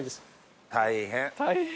大変。